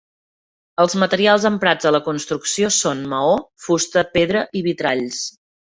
Els materials emprats a la construcció són maó, fusta, pedra i vitralls.